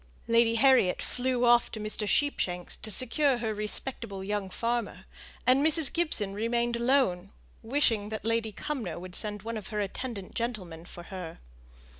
Lady Harriet flew off to Mr. Sheepshanks to secure her respectable young farmer, and Mrs. Gibson remained alone, wishing that Lady Cumnor would send one of her attendant gentlemen for her.